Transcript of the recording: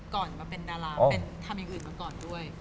ก่อนมาเป็นดาราเป็นทำอย่างอื่นมาก่อนด้วย